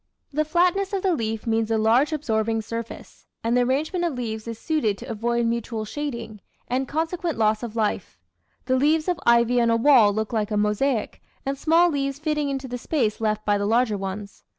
The flatness of the leaf means a large absorbing surface, and the arrangement of leaves is suited to avoid mutual shading, and consequent loss of light. The leaves of ivy on a wall look like a mosaic, small leaves fitting into the space left by the larger ones.